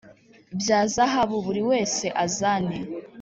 bya zahabu Buri wese azani